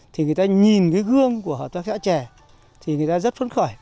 thì người ta nhìn cái gương của hợp tác xã trẻ thì người ta rất phấn khởi